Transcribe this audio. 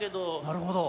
なるほど。